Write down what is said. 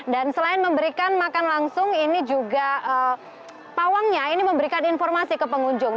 dan selain memberikan makan langsung ini juga pawangnya ini memberikan informasi ke pengunjung